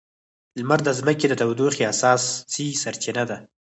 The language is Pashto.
لمر د ځمکې د تودوخې اساسي سرچینه ده.